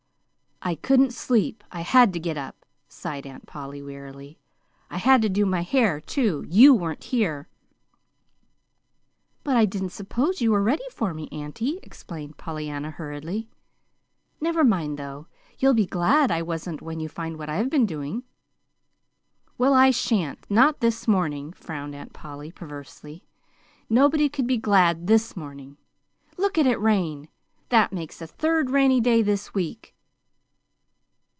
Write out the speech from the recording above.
"I couldn't sleep. I had to get up," sighed Aunt Polly, wearily. "I had to do my hair, too. YOU weren't here." "But I didn't suppose you were ready for me, auntie," explained Pollyanna, hurriedly. "Never mind, though. You'll be glad I wasn't when you find what I've been doing." "Well, I sha'n't not this morning," frowned Aunt Polly, perversely. "Nobody could be glad this morning. Look at it rain! That makes the third rainy day this week."